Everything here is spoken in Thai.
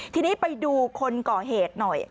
ทีนี้ไปดูคนก่อเหตุหน่อย